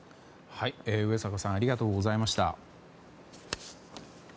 上坂さんありがとうございました。